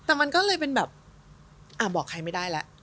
แต่มันก็เลยเป็นแบบบอกใครไม่ได้แล้ว